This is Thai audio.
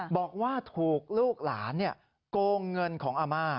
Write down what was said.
บอกว่าถูกลูกหลานโกงเงินของอาม่า